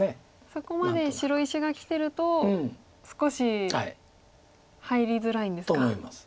そこまで白石がきてると少し入りづらいんですか。と思います。